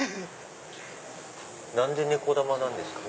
何でねこ玉なんですか？